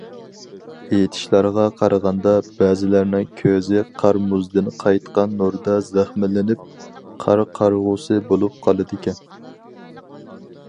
ئېيتىشلارغا قارىغاندا، بەزىلەرنىڭ كۆزى قار- مۇزدىن قايتقان نۇردا زەخىملىنىپ،« قار قارىغۇسى» بولۇپ قالىدىكەن.